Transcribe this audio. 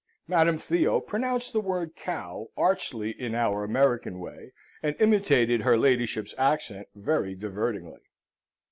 (Madam Theo pronounced the word cow archly in our American way, and imitated her ladyship's accent very divertingly.)